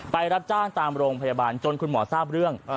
รับจ้างตามโรงพยาบาลจนคุณหมอทราบเรื่อง